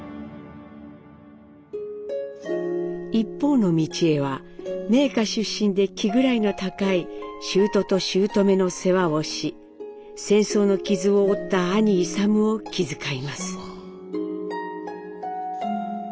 一方の美智榮は名家出身で気位の高いしゅうととしゅうとめの世話をし戦争の傷を負った兄勇を気遣います。